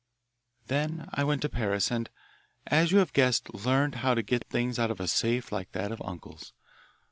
"Then I went to Paris and, as you have guessed, learned how to get things out of a safe like that of uncle's.